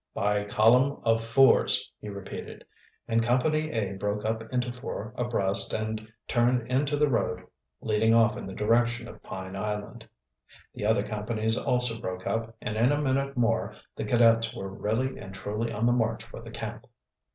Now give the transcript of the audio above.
"By column of fours!" he repeated, and Company A broke up into four abreast and turned into the road leading off in the direction of Pine Island. The other companies also broke up, and in a minute more the cadets were really and truly on the march for the camp.